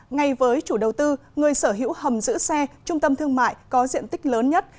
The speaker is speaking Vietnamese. ngay với chủ đầu tư người sở hữu hầm giữ xe trung tâm thương mại có diện tích lớn nhất